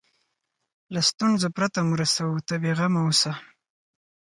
له ستونزو پرته مو رسوو ته بیغمه اوسه.